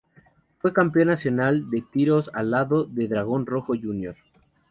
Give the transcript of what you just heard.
Fue Campeón Nacional de Trios a lado de Dragon Rojo Jr.